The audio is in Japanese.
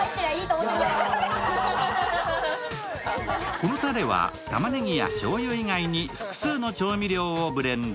このたれはたまねぎやしょうゆ以外に複数の調味料をブレンド。